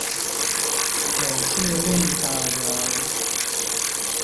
有勢力的人